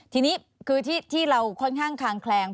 ทีนี้คือที่เราค่อนข้างคางแคลง